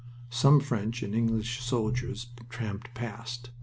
Some French and English soldiers tramped past.